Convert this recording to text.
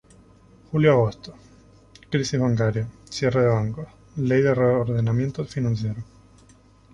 Julio-agosto: Crisis bancaria; cierre de bancos; Ley de Reordenamiento Financiero.